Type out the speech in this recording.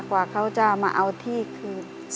กว่าเขาจะมาเอาที่คือ